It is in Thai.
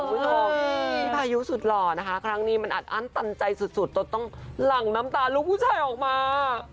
คุณผู้ชมพายุสุดหล่อนะคะครั้งนี้มันอัดอั้นตันใจสุดจนต้องหลั่งน้ำตาลูกผู้ชายออกมา